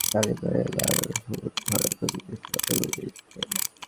কিন্তু হযরত Jafar bin Abi Talib রাযিয়াল্লাহু আনহু ঝড়ের গতিতে এসে পতাকা উঠিয়ে নেন।